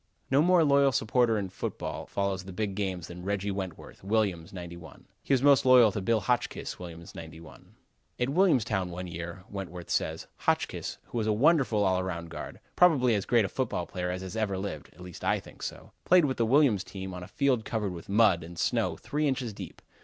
No more loyal supporter of football follows the big games than Reggi Wentworth, Williams, '91. He is most loyal to Bill Hotchkiss, Williams '91. "At Williamstown, one year," Wentworth says, "Hotchkiss, who was a wonderful all round guard, probably as great a football player as ever lived (at least I think so) played with the Williams team on a field covered with mud and snow three inches deep.